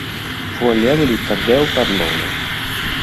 Fu allievo di Taddeo Carlone.